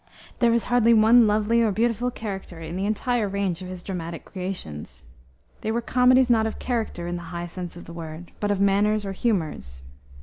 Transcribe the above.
There is hardly one lovely or beautiful character in the entire range of his dramatic creations. They were comedies not of character, in the high sense of the word, but of manners or humors.